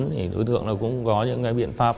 thì đối tượng cũng có những cái biện pháp